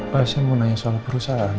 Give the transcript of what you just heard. bahas saya mau nanya soal perusahaan